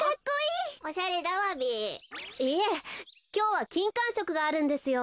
いえきょうはきんかんしょくがあるんですよ。